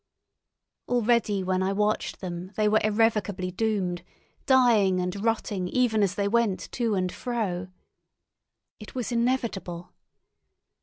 Already when I watched them they were irrevocably doomed, dying and rotting even as they went to and fro. It was inevitable.